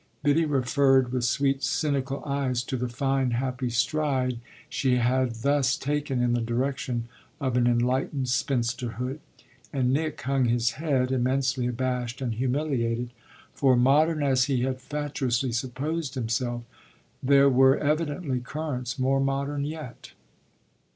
Biddy referred with sweet cynical eyes to the fine happy stride she had thus taken in the direction of enlightened spinsterhood; and Nick hung his head, immensely abashed and humiliated, for, modern as he had fatuously supposed himself, there were evidently currents more modern yet.